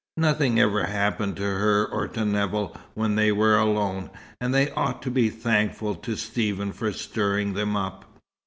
Nothing ever happened to her or to Nevill when they were alone, and they ought to be thankful to Stephen for stirring them up.